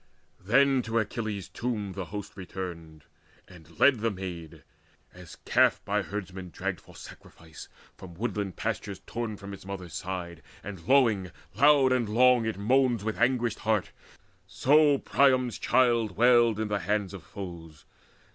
Then to Achilles' tomb the host returned, And led the maid, as calf by herdmen dragged For sacrifice, from woodland pastures torn From its mother's side, and lowing long and loud It moans with anguished heart; so Priam's child Wailed in the hands of foes.